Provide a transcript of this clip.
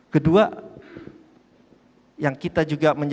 kedua yang kita juga